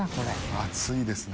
厚いですね。